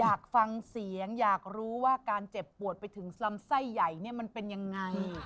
อยากฟังเสียงอยากรู้ว่าการเจ็บปวดไปถึงลำไส้ใหญ่เนี่ยมันเป็นยังไง